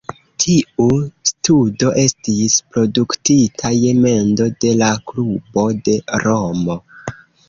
Tiu studo estis produktita je mendo de la klubo de Romo.